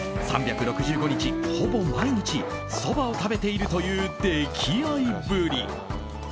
３６５日、ほぼ毎日そばを食べているという溺愛ぶり。